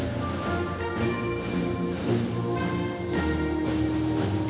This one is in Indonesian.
statistik masuk manesi ada